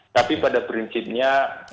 tapi pada prinsipnya